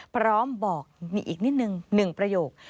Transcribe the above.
พร้อมบอกอีกนิดหนึ่งหนึ่งประโยค